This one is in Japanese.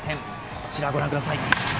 こちらご覧ください。